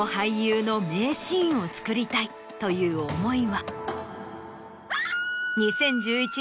という思いは。